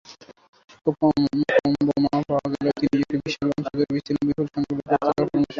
খুব কম বোমা পাওয়া গেলেও তিনি একটি বিশাল অঞ্চল জুড়ে বিস্তীর্ণ বিপুল সংখ্যক লক্ষ্যবস্তু রাখার পরামর্শ দিয়েছিলেন।